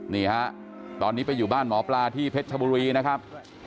นี่ฮะตอนนี้ไปอยู่บ้านหมอปลาที่เพชรชบุรีนะครับ